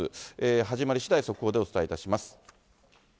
始まり次第速報でお伝えいたします。